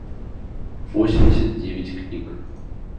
восемьдесят девять книг